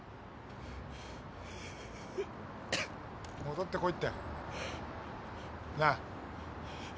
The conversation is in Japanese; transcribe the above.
戻ってこいって。なぁ。